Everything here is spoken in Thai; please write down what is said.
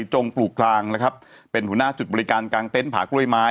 จงปลูกคลางเป็นหุหน้าจุดบริการกลางเต้นผ่ากล้วยไม้